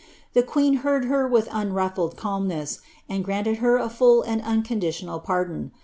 The queen heard her with unruffled calmness, and granted her a full and uncondi lional pardon.